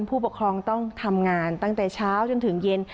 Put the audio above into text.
ผู้ปกครองต้องทำงานตั้งแต่เช้าจนถึงเย็น